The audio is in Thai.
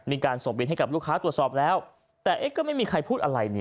มีการส่งบินให้กับลูกค้าตรวจสอบแล้วแต่เอ๊ะก็ไม่มีใครพูดอะไรนี่